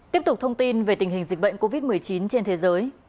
tiếp tục thông tin về tình hình dịch bệnh covid một mươi chín trên thế giới